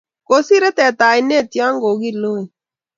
Kosire teta oinet ya kokiloe